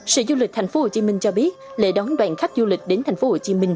sở du lịch tp hcm cho biết lễ đón đoàn khách du lịch đến tp hcm